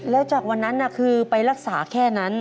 แล้วจากวันนั้นคือไปรักษาแค่นั้น